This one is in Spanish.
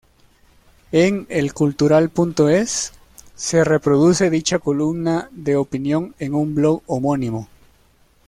En "ElCultural.es" se reproduce dicha columna de opinión en un blog homónimo.